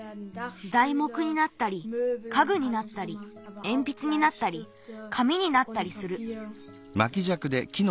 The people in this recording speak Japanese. ざいもくになったりかぐになったりえんぴつになったりかみになったりする。